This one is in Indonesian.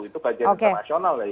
itu kajian internasional